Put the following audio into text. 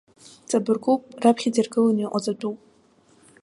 Ҵабаргуп, раԥхьаӡа иргыланы иҟаҵатәуп.